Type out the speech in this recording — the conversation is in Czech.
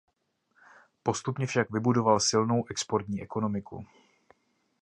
Postupně však vybudoval silnou exportní ekonomiku.